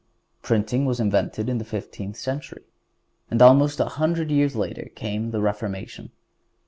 Printing was invented in the fifteenth century, and almost a hundred years later came the Reformation.